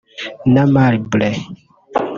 na Marble